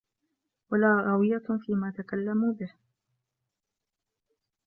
وَلَا رَوِيَّةٌ فِيمَا تَكَلَّمُوا بِهِ